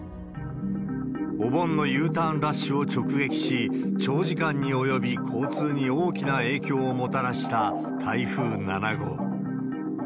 お盆のＵターンラッシュを直撃し、長時間に及び交通に大きな影響をもたらした、台風７号。